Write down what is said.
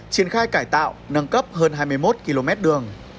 triển khai cải tạo nâng cấp hơn hai mươi một km đường